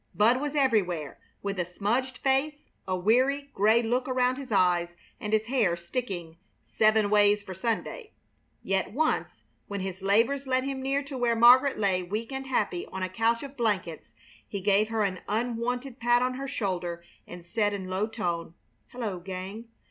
Bud was everywhere, with a smudged face, a weary, gray look around his eyes, and his hair sticking "seven ways for Sunday." Yet once, when his labors led him near to where Margaret lay weak and happy on a couch of blankets, he gave her an unwonted pat on her shoulder and said in a low tone: "Hello, Gang!